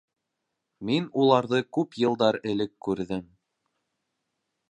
Мин уларҙы күп йылдар элек күрҙем.